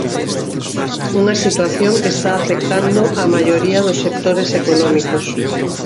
Unha situación que está afectando á maioría dos sectores económicos.